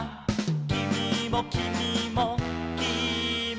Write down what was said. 「きみもきみもきみも」